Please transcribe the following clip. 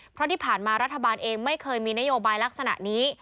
เพราะที่ผ่านมารัฐบาลเองไม่เคยมีนโยบายลักษณะนี้